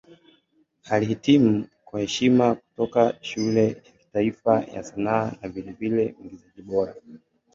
Alihitimu kwa heshima kutoka Shule ya Kitaifa ya Sanaa na vilevile Mwigizaji Bora.